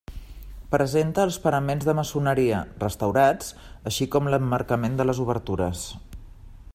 Presenta els paraments de maçoneria, restaurats, així com l'emmarcament de les obertures.